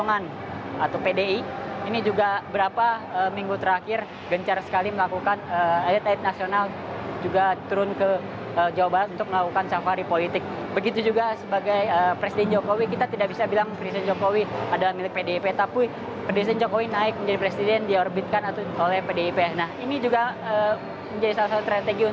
nah kalau lihat populeritas tadi dua pasangan ini menunduki posisi teratas tapi kemudian ada punggawa punggawa dln yang mencoba menaikkan populeritas dari pasangan yang saya sebut saja pasangan nomor tiga sudha jatsehu ataupun pasangan nomor tiga sudha jatsehu